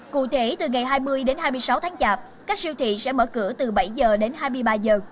cụ thể từ ngày hai mươi đến hai mươi sáu tháng chạp các siêu thị sẽ mở cửa từ bảy giờ đến hai mươi ba giờ